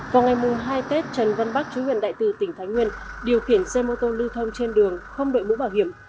vào ngày hai tết trần văn bắc chú huyện đại từ tỉnh thái nguyên điều khiển xe mô tô lưu thông trên đường không đội mũ bảo hiểm